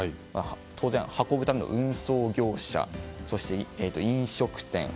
当然、運ぶための運送業者そして、飲食店。